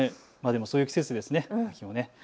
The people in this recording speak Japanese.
そういう季節ですね。